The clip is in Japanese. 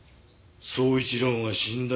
宗一郎が死んだ